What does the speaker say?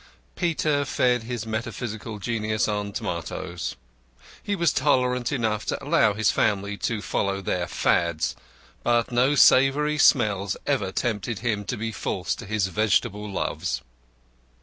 Peter fed his metaphysical genius on tomatoes. He was tolerant enough to allow his family to follow their Fads; but no savoury smells ever tempted him to be false to his vegetable loves.